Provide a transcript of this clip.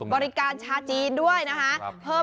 บริการชาจีนด้วยนะคะ